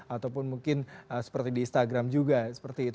ataupun mungkin seperti di instagram juga seperti itu